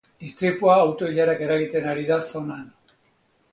Istripua auto-ilarak eragiten ari da zonan.